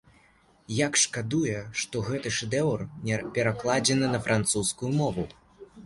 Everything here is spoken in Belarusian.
І як шкадуе, што гэты шэдэўр не перакладзены на французскую мову!